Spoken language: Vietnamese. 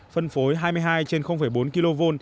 phân phối hai mươi hai trên bốn kv